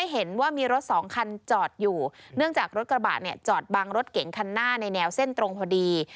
ห้องจากรถกระบาดจอดบังรถเก๋งคันหน้าในแนวเส้นตรงพอดี